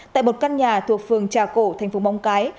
tại một căn nhà thuộc phường trà cổ thành phố móng cái